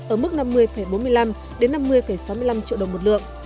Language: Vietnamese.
ở mức năm mươi bốn mươi năm đến năm mươi sáu mươi năm triệu đồng một lượng